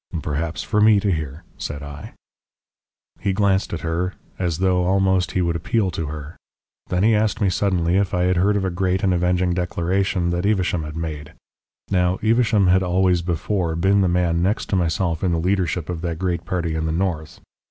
"'Perhaps for me to hear,' said I. "He glanced at her, as though almost he would appeal to her. Then he asked me suddenly if I had heard of a great and avenging declaration that Evesham had made. Now, Evesham had always before been the man next to myself in the leadership of that great party in the north.